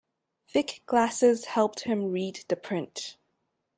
Thick glasses helped him read the print.